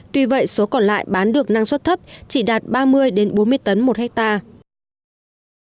tuy vậy số còn lại bán được năng suất thấp chỉ đạt ba mươi bốn mươi tấn một hectare